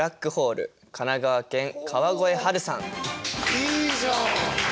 いいじゃん！